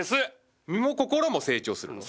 身も心も成長するの？